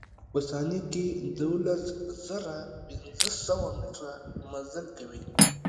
دا په ثانيه کښې دولز زره پنځه سوه مټره مزل کوي.